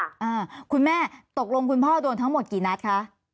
อ่าคุณแม่ตกลงคุณพ่อโดนทั้งหมดกี่นัดคะ